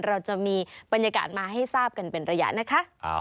เราจะมีบรรยากาศมาให้ทราบกันเป็นระยะนะคะ